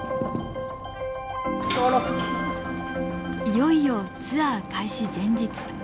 いよいよツアー開始前日。